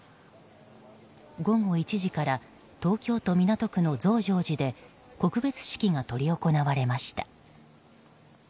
午後１時から東京都港区の増上寺で告別式が執り行われました。